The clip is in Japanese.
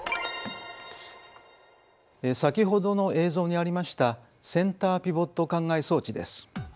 先ほどの映像にありましたセンターピボット灌漑装置です。